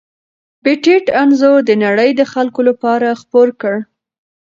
پېټټ انځور د نړۍ د خلکو لپاره خپور کړ.